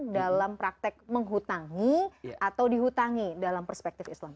dalam praktek menghutangi atau dihutangi dalam perspektif islam